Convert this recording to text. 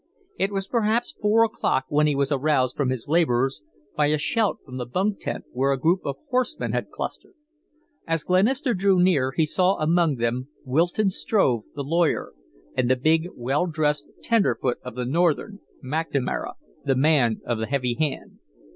It was perhaps four o'clock when he was aroused from his labors by a shout from the bunk tent, where a group of horsemen had clustered. As Glenister drew near, he saw among them Wilton Struve, the lawyer, and the big, well dressed tenderfoot of the Northern McNamara the man of the heavy hand.